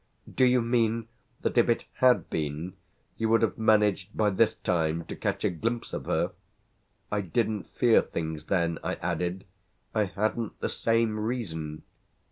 "Do you mean that if it had been you would have managed by this time to catch a glimpse of her? I didn't fear things then," I added. "I hadn't the same reason."